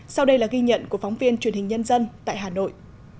sau đây là ghi nhận của phóng viên truyền hình nhân dân tại hà nội